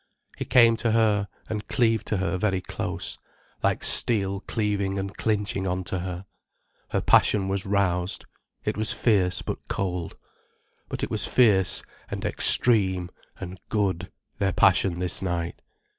He came to her, and cleaved to her very close, like steel cleaving and clinching on to her. Her passion was roused, it was fierce but cold. But it was fierce, and extreme, and good, their passion this night.